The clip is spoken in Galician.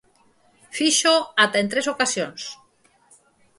Fíxoo ata en tres ocasións.